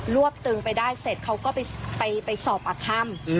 รวบตึงไปได้เสร็จเขาก็ไปสอบอธรรม